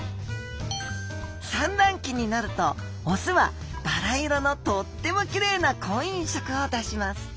産卵期になるとオスはバラ色のとってもきれいな婚姻色を出します。